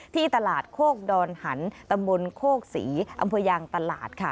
ที่ตลาดโคกดอนหันตำบลโคกศรีอำเภอยางตลาดค่ะ